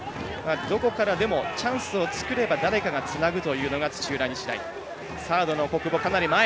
どこからでもチャンスを作れば誰かがつなぐというのが土浦日大。